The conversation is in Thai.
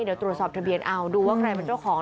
เดี๋ยวตรวจสอบทะเบียนเอาดูว่าใครเป็นเจ้าของ